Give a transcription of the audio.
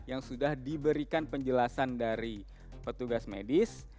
yang sudah diberikan penjelasan dari petugas medis